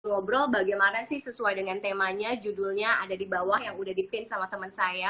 obrol bagaimana sih sesuai dengan temanya judulnya ada di bawah yang udah dipin sama temen saya